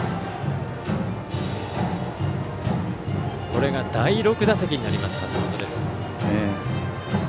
これが第６打席になる１番、橋本です。